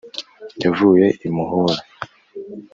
yavuye i muhura